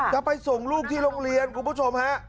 จะไปส่งลูกที่โรงเรียนคุณผู้ชมฮะ